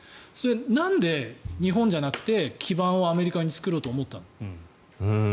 なんで、日本じゃなくて基盤をアメリカに作ろうと思ったの？